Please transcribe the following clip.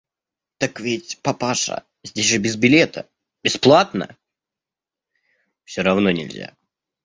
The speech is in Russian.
– Так ведь, папаша, здесь же без билета, бесплатно! – Все равно нельзя.